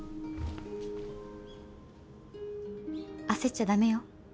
焦っちゃ駄目よ。